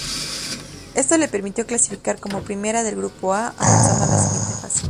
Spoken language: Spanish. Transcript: Esto le permitió clasificar como primera del grupo A, avanzando a la siguiente fase.